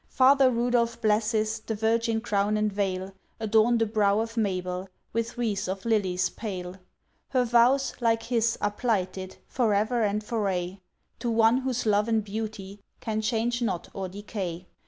Father Rudolph blesses, The Virgin Crown and Veil Adorn the brow of Mabel, With wreaths of lilies pale. Her vows, like his, are plighted, For ever and for aye, To One Whose Love and Beauty Can change not or decay.